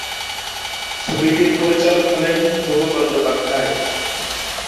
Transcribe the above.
ছবিটির পরিচালক হলেন ধ্রুব বন্দ্যোপাধ্যায়।